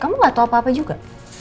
kamu gak tau apa apa juga